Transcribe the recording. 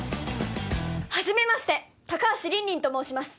初めまして高橋凜々と申します